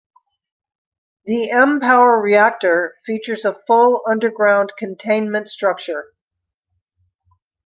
The mPower reactor features a full underground containment structure.